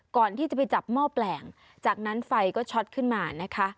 ก่อนที่จะไปจับหม้อแปลงจากนั้นไฟก็ช็อตขึ้นมานะคะ